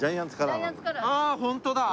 ああホントだ。